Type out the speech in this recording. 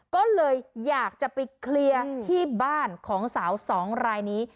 ก็เลยอยากจะไปเคลียร์ที่บ้านของสาวสองรายนี้